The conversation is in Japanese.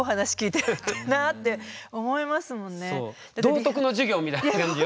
道徳の授業みたいな感じよ。